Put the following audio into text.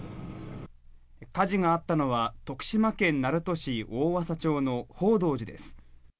火事があったのは徳島県鳴門市大麻町の寳幢寺です。